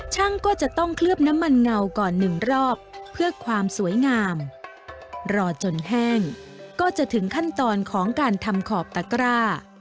ช่างก็จะต้องเคลือบน้ำมันเงาก่อนหนึ่งรอบเพื่อความสวยงามรอจนแห้งก็จะถึงขั้นตอนของการทำขอบตะกร้า